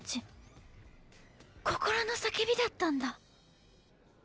心のさけびだったんだ。